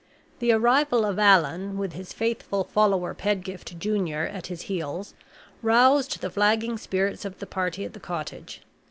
The arrival of Allan, with his faithful follower, Pedgift Junior, at his heels, roused the flagging spirits of the party at the cottage.